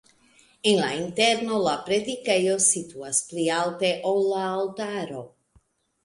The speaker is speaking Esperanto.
En la interno la predikejo situas pli alte, ol la altaro.